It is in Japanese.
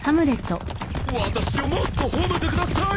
私をもっと褒めてください！